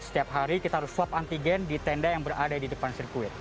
setiap hari kita harus swab antigen di tenda yang berada di depan sirkuit